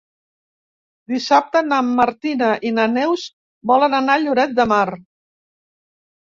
Dissabte na Martina i na Neus volen anar a Lloret de Mar.